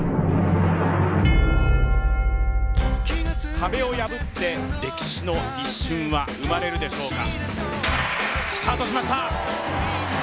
壁を破って歴史の一瞬は生まれるでしょうか。